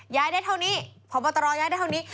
ได้เท่านี้พบตรย้ายได้เท่านี้